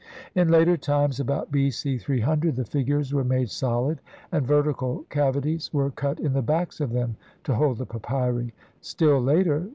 In later times, about B. C. 3oo, the figures were made solid, and vertical cavities were cut in the backs of them to hold the papyri ; still later, i.